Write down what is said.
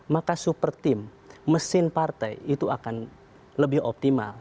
maka super team mesin partai itu akan lebih optimal